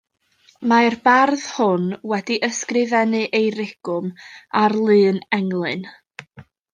Mae'r bardd hwn wedi ysgrifennu ei rigwm ar lun englyn.